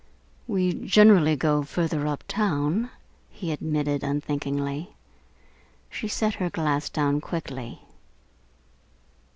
"We generally go further up town," he admitted unthinkingly. She set her glass down quickly.